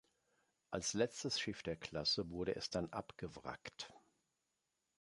Als letztes Schiff der Klasse wurde es dann abgewrackt.